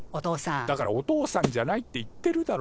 だからお父さんじゃないって言ってるだろ！